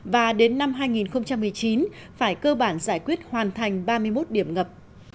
và đến năm hai nghìn một mươi chín phải cơ bản giải quyết hoàn thành ba mươi một điểm ngập